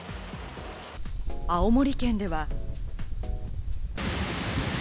青森県では。